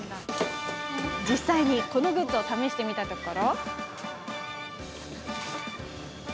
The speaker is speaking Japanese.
実際にこのグッズを試したところ。